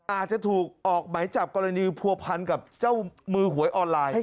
อาจจะถูกออกไหมจับกรณีผัวพันกับเจ้ามือหวยออนไลน์